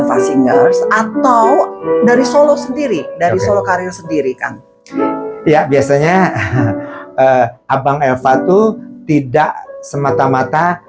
fashingers atau dari solo sendiri dari solo karyo sendiri kan ya biasanya abang eva tuh tidak semata mata